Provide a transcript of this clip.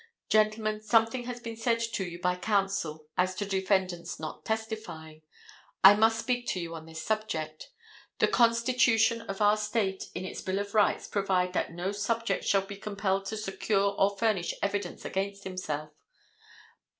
Gentlemen, something has been said to you by counsel as to defendant's not testifying. I must speak to you on this subject. The constitution of our State, in its bill of rights, provides that: "No subject shall be compelled to secure or furnish evidence against himself."